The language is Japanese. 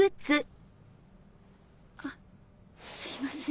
あすいません。